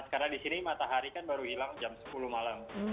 karena di sini matahari kan baru hilang jam sepuluh malam